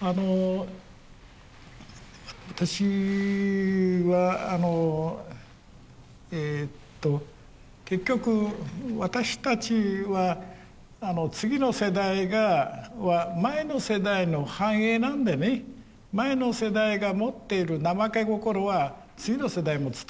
あの私はあのえと結局私たちは次の世代は前の世代の反映なんでね前の世代が持っている怠け心は次の世代も伝わる。